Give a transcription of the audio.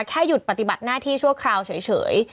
หยุดปฏิบัติหน้าที่ชั่วคราวเฉย